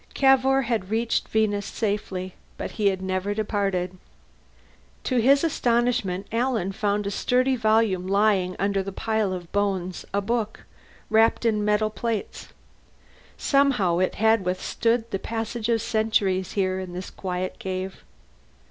Cavour had reached Venus safely. But he had never departed. To his astonishment Alan found a sturdy volume lying under the pile of bones a book, wrapped in metal plates. Somehow it had withstood the passage of centuries, here in this quiet cave.